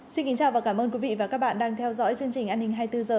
xin kính chào và cảm ơn quý vị và các bạn đang theo dõi chương trình an ninh hai mươi bốn h